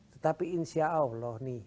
tetapi insya allah nih